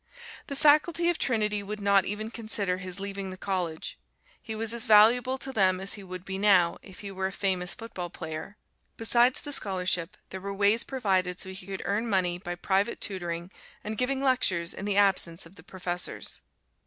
The faculty of Trinity would not even consider his leaving the college: he was as valuable to them as he would be now if he were a famous football player. Besides the scholarship, there were ways provided so he could earn money by private tutoring and giving lectures in the absence of the professors.